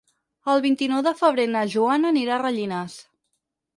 El vint-i-nou de febrer na Joana anirà a Rellinars.